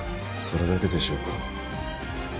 それだけでしょうか？